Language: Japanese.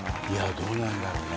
どうなんだろうね。